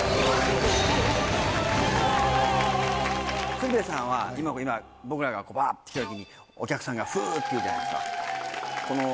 鶴瓶さんは今僕らがバッて来た時にお客さんが「フゥ！」って言うじゃないですか。